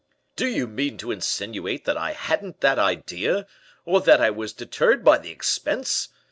"Do you mean to insinuate that I hadn't that idea, or that I was deterred by the expense?